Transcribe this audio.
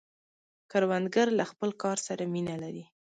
کروندګر له خپل کار سره مینه لري